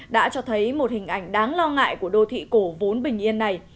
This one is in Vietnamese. đã cho thấy một hình ảnh đáng lo ngại của đô thị cổ vốn bình yên này